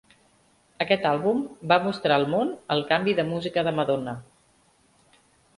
Aquest àlbum va mostrar el món el canvi de música de Madonna.